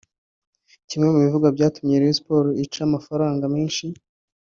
Kimwe mu bivugwa byatumye Rayon Sports izaca amafaranga menshi